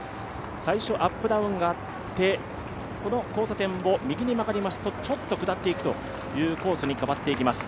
最初、アップダウンがあってこの交差点を右に曲がりますとちょっと下っていくというコースに変わっていきます。